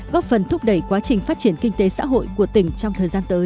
góp phần thúc đẩy quá trình phát triển kinh tế xã hội của tỉnh trong thời gian tới